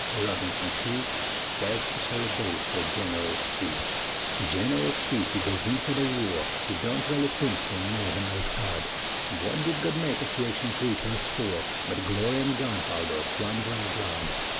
Robinson he Sez he shall vote fer Gineral C. Gineral C. he goes in fer the war; He don't vally princerple more 'n an old cud; Wut did God make us raytional creeturs fer, But glory an' gunpowder, plunder an' blood?